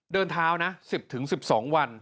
เดินเท้านะ๑๐๑๒วัน